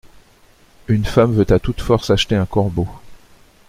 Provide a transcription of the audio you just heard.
Une femme veut à toute force acheter un corbeau.